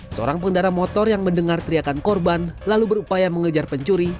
seorang pengendara motor yang mendengar teriakan korban lalu berupaya mengejar pencuri